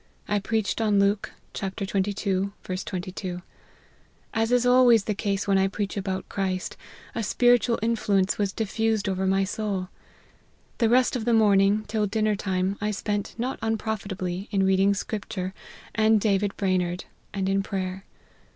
1 preached on Luke xxii. 22. As is always the case when I preach about Christ, a spiritual influ ence was diffused over my soul. The rest of the morning, till dinner time, I spent, not unprofitably, in reading scripture, and David Brainerd, and in prayer.